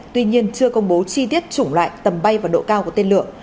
tuy nhiên chưa công bố chi tiết chủng loại tầm bay và độ cao của tên lửa